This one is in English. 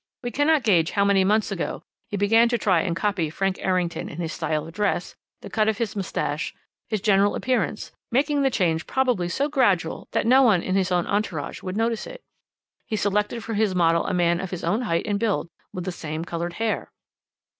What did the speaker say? We cannot gauge how many months ago he began to try and copy Frank Errington in his style of dress, the cut of his moustache, his general appearance, making the change probably so gradual, that no one in his own entourage would notice it. He selected for his model a man his own height and build, with the same coloured hair."